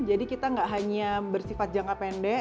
jadi kita nggak hanya bersifat jangka pendek